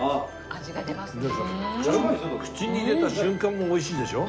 口に入れた瞬間も美味しいでしょ？